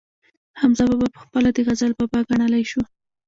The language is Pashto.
حمزه بابا پخپله د غزل بابا ګڼلی شو